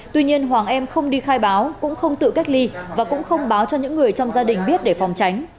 tuy nhiên hoàng em không đi khai báo cũng không tự cách ly và cũng không báo cho những người trong gia đình biết để phòng tránh